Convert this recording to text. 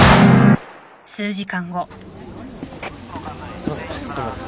すいません通ります。